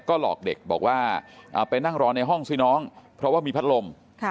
ก็หลอกเด็กบอกว่าไปนั่งรอในห้องสิน้องเพราะว่ามีพัดลม